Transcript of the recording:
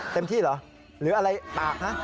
เต็มที่เหรอหรืออะไรปากนะ